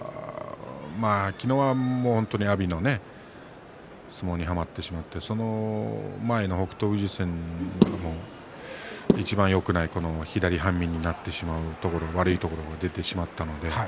昨日は阿炎の相撲にはまってしまってその前の北勝富士戦はいちばんよくない左半身になってしまう、悪いところが出てしまいました。